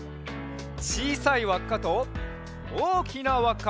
ちいさいわっかとおおきなわっか。